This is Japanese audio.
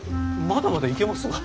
まだまだいけますが。